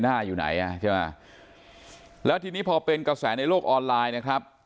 อยู่ไหนอ่ะใช่ไหมแล้วทีนี้พอเป็นกระแสในโลกออนไลน์นะครับ